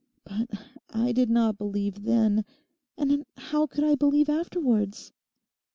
But I did not believe then, and how could I believe afterwards?